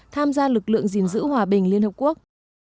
tham gia lực lượng gìn giữ hòa bình liên hợp quốc